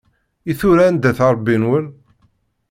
I tura anda-t Ṛebbi-nwen?